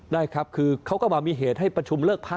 ได้ครับคือเขาก็มามีเหตุให้ประชุมเลิกพัก